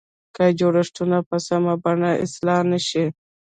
که جوړښتونه په سمه بڼه اصلاح نه شي.